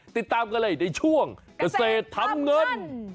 ติดตามกันเลยในช่วงเกษตรทำเงิน